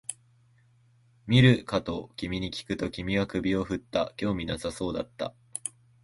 見るかと君にきくと、君は首を振った、興味なさそうだった